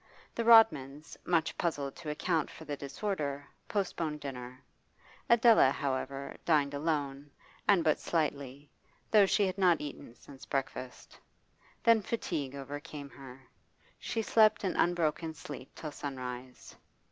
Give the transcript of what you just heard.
The Rodmans, much puzzled to account for the disorder, postponed dinner. Adela, however, dined alone, and but slightly, though she had not eaten since breakfast. Then fatigue overcame her. She slept an unbroken sleep till sunrise.